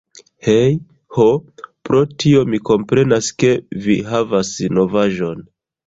Hej.... Ho, pro tio mi komprenas ke vi havas novaĵon!